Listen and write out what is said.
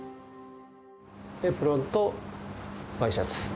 エプロンとワイシャツ。